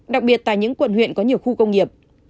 đặc biệt tại những quận huyện có nhiều khu công nghiệp